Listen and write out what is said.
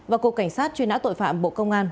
và cục cảnh sát truy nã tội phạm bộ công an